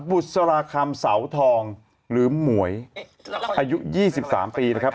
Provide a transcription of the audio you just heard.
บุษราคำเสาทองหรือหมวยอายุยี่สิบสามปีนะครับ